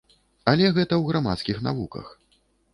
Але гэта ў грамадскіх навуках.